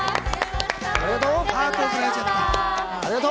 ありがとう。